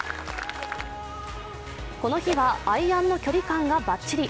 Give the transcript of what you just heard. この日はアイアンの距離感がバッチリ。